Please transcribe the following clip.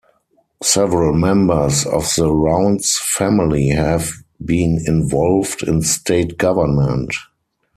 Several members of the Rounds family have been involved in state government.